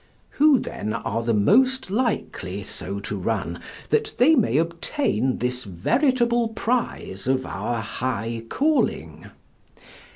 Who, then, are the most likely so to run that they may obtain this veritable prize of our high calling?